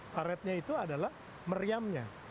turretnya itu adalah meriamnya